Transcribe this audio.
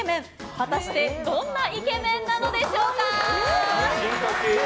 果たしてどんなイケメンなのでしょうか。